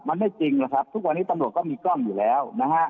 มันไม่จริงหรอกครับทุกวันนี้ตำรวจก็มีกล้องอยู่แล้วนะฮะ